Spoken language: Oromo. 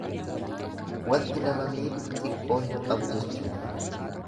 Wanti nama miidhu xiqqoo hin qabu jechuudha.